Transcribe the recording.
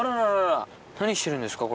何してるんですか？